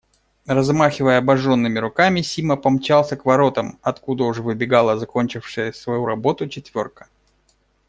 Размахивая обожженными руками, Сима помчался к воротам, откуда уже выбегала закончившая свою работу четверка.